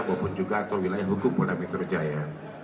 maupun juga atau wilayah hukum polda metro jaya